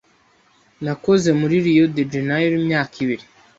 Nakoze muri Rio de Janeiro imyaka ibiri.